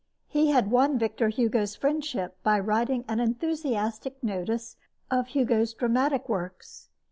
He had won Victor Hugo's friendship by writing an enthusiastic notice of Hugo's dramatic works.